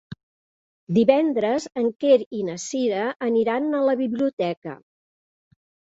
Divendres en Quer i na Cira aniran a la biblioteca.